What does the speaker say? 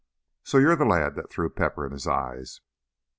"So you're the lad that threw pepper in his eyes?"